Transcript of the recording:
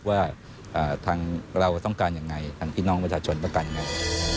ว่าทางเราต้องการยังไงทางพี่น้องประชาชนต้องการเงิน